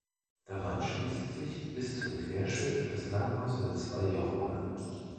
Daran schließt sich bis zum Querschiff das Langhaus mit zwei Jochen an.